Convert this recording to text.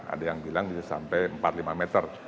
ada yang bilang bisa sampai empat lima meter